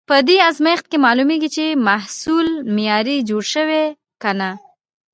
په دې ازمېښت کې معلومېږي، چې محصول معیاري جوړ شوی که نه.